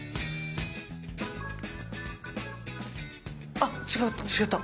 あ違った違った。